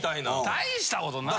大したことないやろ。